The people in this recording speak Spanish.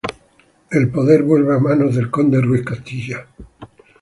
El poder vuelve a manos del Conde Ruiz de Castilla.